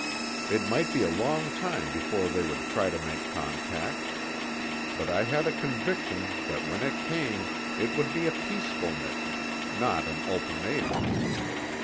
It might be a long time before they would try to make contact. But I had a conviction that when it came, it would be a peaceful mission, not an ultimatum.